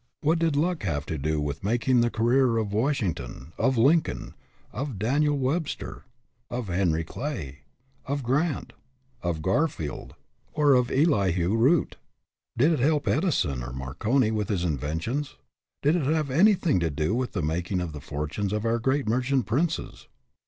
What did luck have to do with making the career of Washington, of Lincoln, of Daniel Webster, of Henry Clay, of Grant, of Garfield, or of Elihu Root? Did it help Edi son or Marconi with his inventions? Did it have anything to do with the making of the fortunes of our great merchant princes?